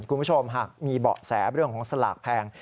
คุณผู้ชมหากมีเบาะแสเรื่องของสลากแพง